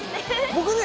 僕ね。